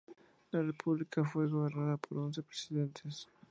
La República fue gobernada por once presidentes.